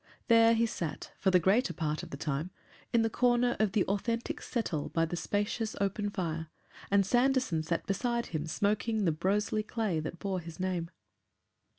There he sat, for the greater part of the time, in the corner of the authentic settle by the spacious open fire, and Sanderson sat beside him smoking the Broseley clay that bore his name.